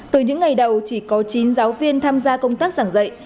từ những ngày đầu chỉ có chín giáo viên tham gia công tác giảng dạy